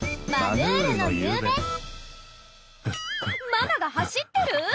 ママが走ってる！？